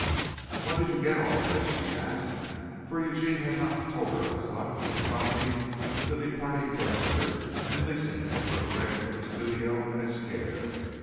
"When did you get all this?" she asked, for Eugene had not told her of his luck in finding the departing Dexter and leasing it for the rent of the studio and its care.